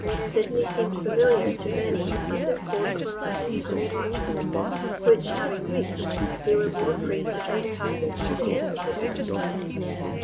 Sydney seemed familiar to many as their port of arrival and departure, which, having reached, they were more free to find passage to the ends of the earth.